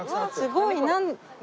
すごい。何？